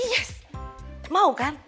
yes mau kan